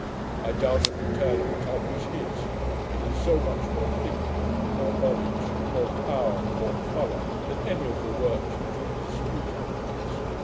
I doubt if the Tale of a Tub was his: it has so much more thinking, more knowledge, more power, more colour, than any of the works which are indisputably his.